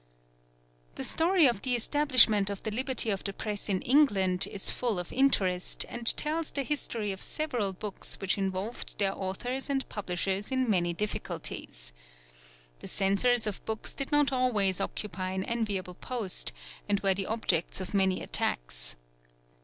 The story of the establishment of the liberty of the Press in England is full of interest, and tells the history of several books which involved their authors and publishers in many difficulties. The censors of books did not always occupy an enviable post, and were the objects of many attacks.